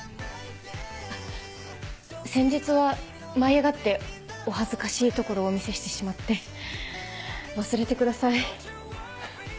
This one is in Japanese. あっ先日は舞い上がってお恥ずかしいところをお見せしてしまって忘れてください。